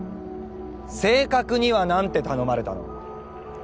正確には何て頼まれたの？